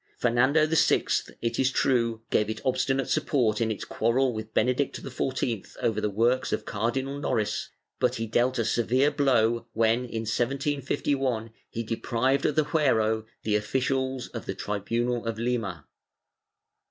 Fernando VI, it is true, gave it obstinate support in its quarrel with Benedict XIV over the works of Cardinal Noris, but he dealt a severe blow when, in 1751, he deprived of the fuero the oflicials of the tribunal of Lima.